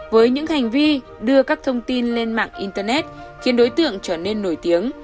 với những hành vi đưa các thông tin lên mạng internet khiến đối tượng trở nên nổi tiếng